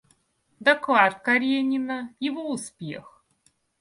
Доклад Каренина, его успех.